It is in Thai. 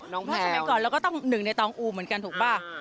น้องแพลวแล้วก็ต้องหนึ่งในตองอู๋เหมือนกันถูกป่าว